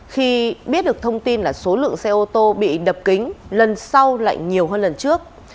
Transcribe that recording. khi biết được thông tin là số lượng xe ô tô bị đập kính lần sau lại nhiều hơn lần trước